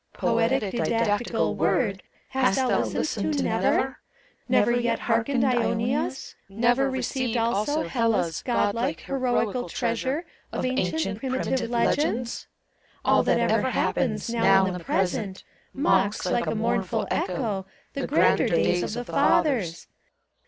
Poetic didactical word Hast thou listened to never t Never yet hearkened Ionia's ACT III. 173 Never received also Hellas' (Godlike, heroical treasure Of ancient, primitive legends t AU that ever happens Now in the Present Mocks like a mournful echo The grander days of the Fathers.